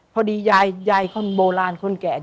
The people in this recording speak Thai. พอดียายยายคนโบราณคนแก่